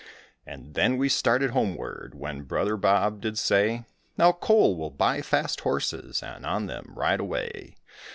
And then we started homeward, when brother Bob did say: "Now, Cole, we will buy fast horses and on them ride away.